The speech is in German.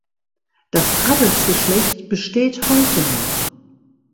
Das Adelsgeschlecht besteht heute noch.